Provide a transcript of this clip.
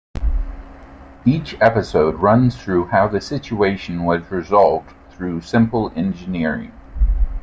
Each episode runs through how the situation was resolved through simple engineering.